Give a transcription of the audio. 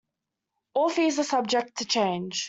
All fees are subject to change.